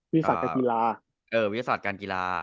วิทยาศาสตร์การกีฬา